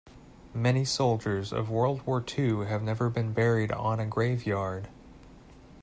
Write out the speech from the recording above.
Many soldiers of world war two have never been buried on a grave yard.